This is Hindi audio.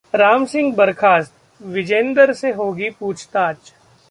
राम सिंह बर्खास्त, विजेंदर से होगी पूछताछ